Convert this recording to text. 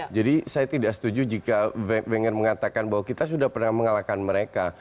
jadi saya tidak setuju jika wenger mengatakan bahwa kita sudah pernah mengalahkan mereka